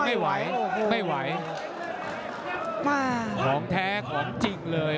ไม่ไหวไม่ไหวร้องแท๊กร้องจริงเลย